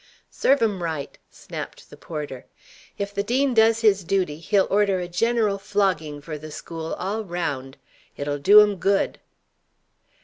"Serve 'em right!" snapped the porter. "If the dean does his duty, he'll order a general flogging for the school, all round. It'll do 'em good."